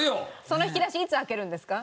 その引き出しいつ開けるんですか？